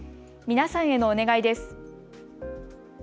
皆さんへのお願いです。